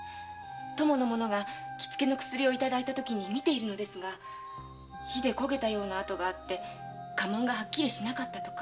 供の者が気付けの薬をいただいたときに見ているのですが火で焦げたような跡があり家紋がはっきりしなかったとか。